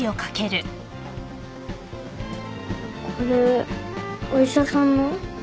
これお医者さんの？